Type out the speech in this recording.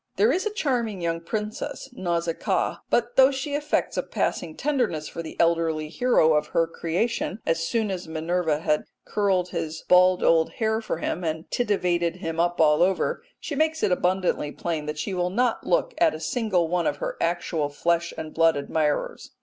There is a charming young princess, Nausicaa, but though she affects a passing tenderness for the elderly hero of her creation as soon as Minerva has curled his bald old hair for him and tittivated him up all over, she makes it abundantly plain that she will not look at a single one of her actual flesh and blood admirers.